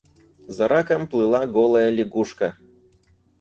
За раком плыла голая лягушка.